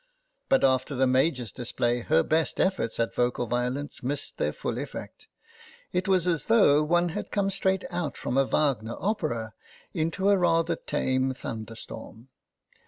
But after the Major's display her best efforts at vocal violence missed their full effect; it was as though one had come straight out from a Wagner opera into a rather tame thunderstorm.